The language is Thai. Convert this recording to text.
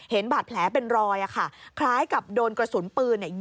เห็นบัดแผลเป็นรอยคล้ายกับโดนกระสุนปืนยิงทะลุ